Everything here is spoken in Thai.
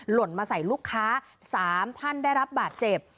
หล่นมาใส่ลูกค้า๓ท่านได้รับบาดเจ็บ